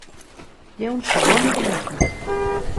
Hi ha un segon enigma.